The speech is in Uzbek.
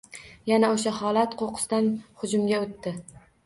Yana oʻsha holat – qoʻqqisdan hujumga oʻtdi.